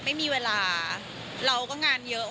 ไม่มีเวลาเราก็งานเยอะ